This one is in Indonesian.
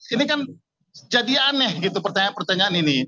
ini kan jadi aneh gitu pertanyaan pertanyaan ini